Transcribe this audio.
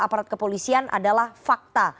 aparat kepolisian adalah fakta